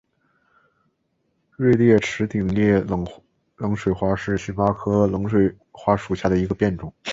锐裂齿顶叶冷水花为荨麻科冷水花属下的一个变种。